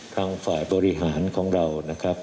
ทางฝ่ายบริหารของเรานะครับ